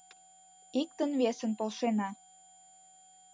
Иктын-весын полшена: